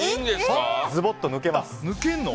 ズボッと抜けます。